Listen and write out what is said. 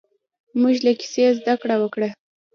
موږ له کیسې زده کړه وکړه.